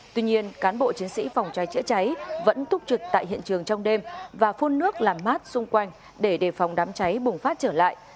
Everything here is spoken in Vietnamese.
tuy nhiên cán bộ chiến sĩ phòng cháy chữa cháy vẫn túc trực tại hiện trường trong đêm và phun nước làm mát xung quanh để đề phòng đám cháy bùng phát trở lại